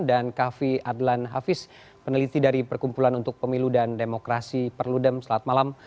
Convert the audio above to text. dan kavi adlan hafiz peneliti dari perkumpulan untuk pemilu dan demokrasi perludem selat malam